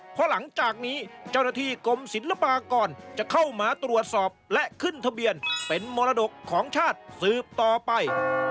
เพราะหลังจากนี้เจ้าหน้าที่กรมศิลปากรจะเข้ามาตรวจสอบและขึ้นทะเบียนเป็นมรดกของชาติสืบต่อไป